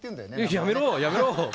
やめろやめろ！